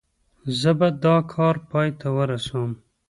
زه به دا کار پای ته ورسوم.